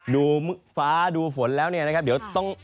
ดูฟ้าดูฝนแล้วเนี่ยนะครับเดี๋ยวต้อง